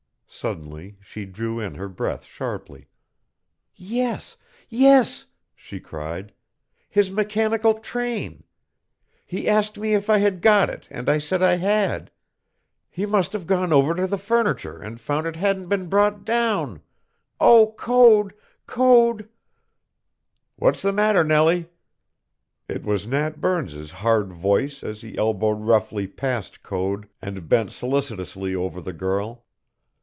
Suddenly she drew in her breath sharply. "Yes, yes," she cried, "his mechanical train. He asked me if I had got it and I said I had. He must have gone over to the furniture and found it hadn't been brought down. Oh, Code, Code " "What's the matter, Nellie?" It was Nat Burns's hard voice as he elbowed roughly past Code and bent solicitously over the girl.